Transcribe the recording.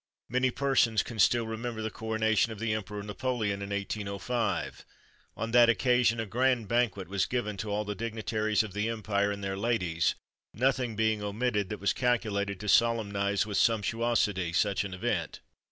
Many persons can still remember the coronation of the Emperor Napoleon in 1805. On that occasion a grand banquet was given to all the dignitaries of the Empire and their ladies, nothing being omitted that was calculated to solemnise with sumptuosity such an event.